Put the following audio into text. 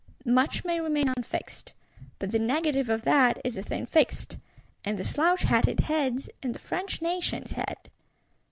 Much may remain unfixed; but the negative of that is a thing fixed: in the Slouch hatted heads, in the French Nation's head.